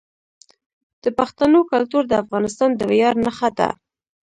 د پښتنو کلتور د افغانستان د ویاړ نښه ده.